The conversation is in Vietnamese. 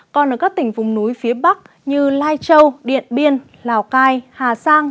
còn ở các tỉnh vùng núi phía bắc như lai châu điện biên lào cai hà giang